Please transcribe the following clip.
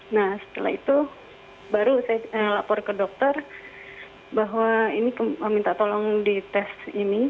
nah setelah itu baru saya lapor ke dokter bahwa ini meminta tolong dites ini